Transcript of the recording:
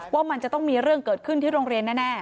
ว่ามันจะต้องมีเรื่องเกิดขึ้นที่โรงเรียนแน่